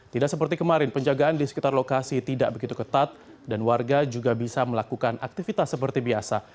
tidak seperti kemarin penjagaan di sekitar lokasi tidak begitu ketat dan warga juga bisa melakukan aktivitas seperti biasa